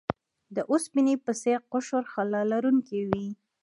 د اوسپنې په څیر قشر خلا لرونکی وي.